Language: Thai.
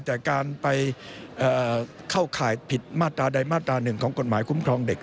แต่การไปเข้าข่ายผิดมาตราใดมาตรา๑ของกฎหมายคุ้มครองเด็ก